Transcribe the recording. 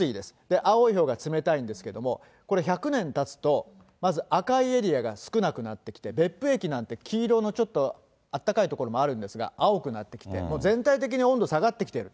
青いほうが冷たいんですけれども、これ、１００年たつとまず赤いエリアが少なくなってきて、別府駅なんて黄色のちょっとあったかい所もあるんですけど、青くなってきて、もう全体的に温度下がってきていると。